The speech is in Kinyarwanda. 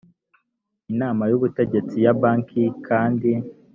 inama y ubutegetsi ya banki kandi